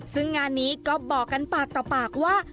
ซึ่งงานนี้ก็บอกกันปากต่อปากว่า